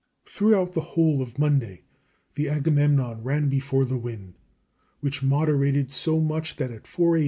Throughout the whole of Monday the Agamemnon ran before the wind, which moderated so much that at 4 A.